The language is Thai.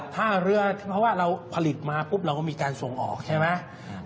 ถ้าเรือเพราะว่าเราผลิตมาปุ๊บเราก็มีการส่งออกใช่ไหม